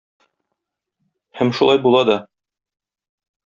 Һәм шулай була да.